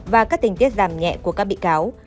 và các tình tiết giảm nhẹ của các bị cáo